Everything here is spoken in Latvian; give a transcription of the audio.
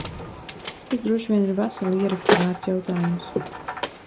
Tas droši vien ir vesela ieraksta vērts jautājums.